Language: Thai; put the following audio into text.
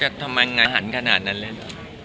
จะทำยังไงหันขนาดนั้นเลย